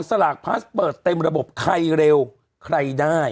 สลากพลัสเปิดเต็มระบบใครเร็วใครได้